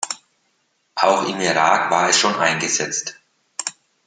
Auch im Irak war es schon eingesetzt.